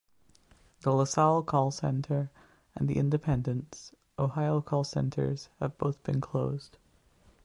The LaSalle call center and the Independence, Ohio call centers have both been closed.